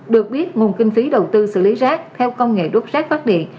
được biết nguồn kinh phí đầu tư xử lý rác theo công nghệ đốt rác phát điện